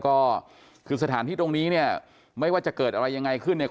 ก็คือสถานที่ตรงนี้เนี่ยไม่ว่าจะเกิดอะไรยังไงขึ้นเนี่ย